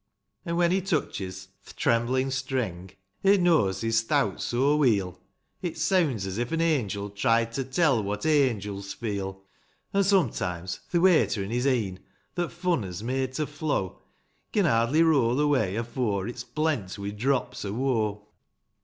An', when he touches th' tremblin' streng,' It knows his thowt^ so weel, It seawnds as if an angel tried To tell what angels feel ; An', sometimes, th' wayter in his e'en' That fun has made to flow, Can hardly roll away, afore It's blent wi' drops o' woe.